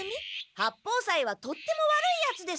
八方斎はとっても悪いヤツです！